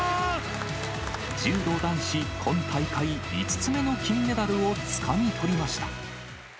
柔道男子、今大会５つ目の金メダルをつかみとりました。